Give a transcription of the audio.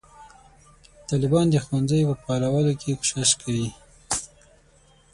طالبان د ښوونځیو په فعالولو کې کوښښ کوي.